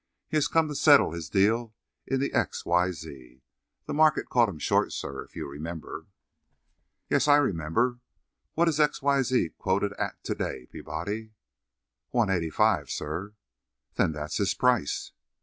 He has come to settle his deal in X. Y. Z. The market caught him short, sir, if you remember." "Yes, I remember. What is X. Y. Z. quoted at to day, Peabody?" "One eighty five, sir." "Then that's his price."